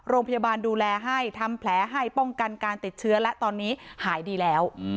โรงพยาบาลดูแลให้ทำแผลให้ป้องกันการติดเชื้อและตอนนี้หายดีแล้ว